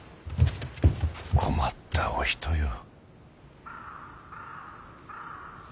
困ったお人よ。